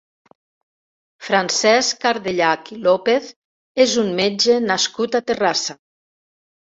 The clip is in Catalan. Francesc Cardellach i López és un metge nascut a Terrassa.